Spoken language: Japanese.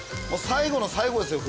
最後の最後ですよ